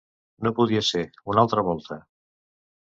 No podia ser, una altra volta...